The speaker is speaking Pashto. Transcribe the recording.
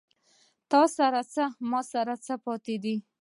تاســـره څـــه، ما ســـره څه پاتې دي